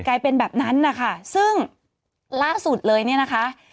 กลายเป็นแบบนั้นนะคะซึ่งล่าสุดเลยเนี่ยนะคะ